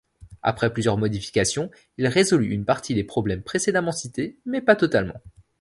Après plusieurs modifications, il résolut une partie des problèmes précédemment cités mais pas totalement.